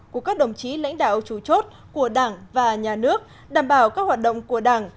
của các đồng chí lãnh đạo chủ chốt của đảng và nhà nước đảm bảo các hoạt động của đảng